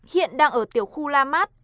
hiện đang ở tiểu khu la mát